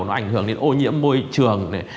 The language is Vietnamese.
nó ảnh hưởng đến ô nhiễm môi trường